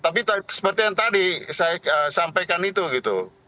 tapi seperti yang tadi saya sampaikan itu gitu